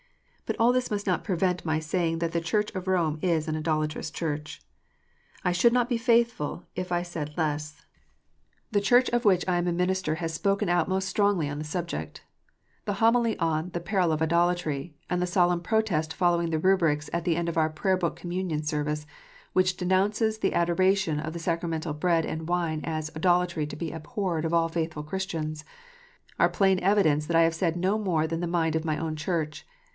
But all this must not prevent my saying that the Church of Rome is an idolatrous Church. I should not be faithful if I said less. The Church of which IDOLATRY. 413 I am a minister lias spoken out most strongly on the subject. The Homily on "Peril of Idolatry," and the solemn protest following the Kubrics at the end of our Prayer book Communion Service, which denounces the adoration of the sacramental bread and wine as "idolatry to be abhorred of all faithful Christians," are plain evidence that I have said no more than the mind of my own Church.